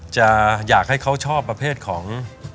จะอยากให้เขาชอบประเภทของ